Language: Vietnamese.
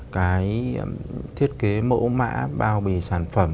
cái thiết kế mẫu mã bao bì sản phẩm